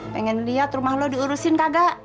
pengen lihat rumah lo diurusin kagak